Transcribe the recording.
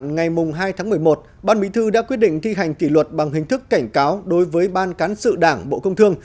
ngày hai tháng một mươi một ban mỹ thư đã quyết định thi hành kỷ luật bằng hình thức cảnh cáo đối với ban cán sự đảng bộ công thương